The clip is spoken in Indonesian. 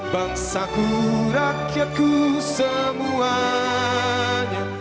bangsa ku rakyatku semuanya